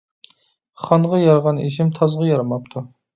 خانغا يارىغان ئىشىم تازغا يارىماپتۇ